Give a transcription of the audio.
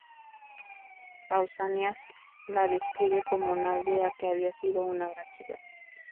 Pausanias la describe como una aldea que había sido una gran ciudad.